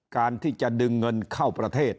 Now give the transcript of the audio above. การที่จะดึงเงินเข้าประเทศ